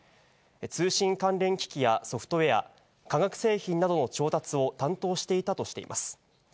通信関連機器やソフトウエア、化学製品などの調達を担当していたとしています。